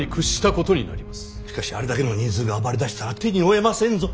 しかしあれだけの人数が暴れだしたら手に負えませんぞ。